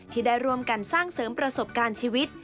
ที่ได้ร่วมกันสร้างเสริมประสบการณ์ชีวิต